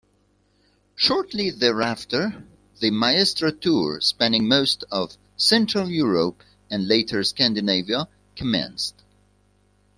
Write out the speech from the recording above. Shortly thereafter, the Maestro Tour, spanning most of central Europe and later Scandinavia, commenced.